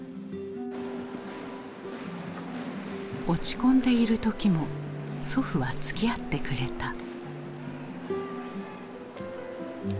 落ち込んでいる時も祖父はつきあってくれた。